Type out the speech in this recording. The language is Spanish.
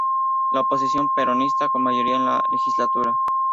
La oposición peronista, con mayoría en la Legislatura.